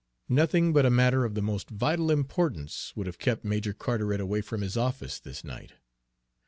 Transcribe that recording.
Nothing but a matter of the most vital importance would have kept Major Carteret away from his office this night.